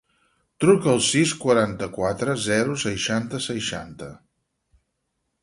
Truca al sis, quaranta-quatre, zero, seixanta, seixanta.